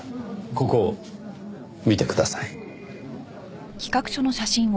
ここを見てください。